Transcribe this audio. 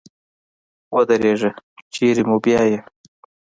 ودرېږه چېري مو بیایې ؟